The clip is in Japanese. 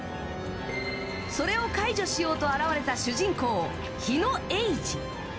それを解除しようと現れた主人公・火野映司。